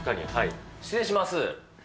失礼します。